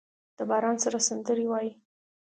د باران سره سندرې وايي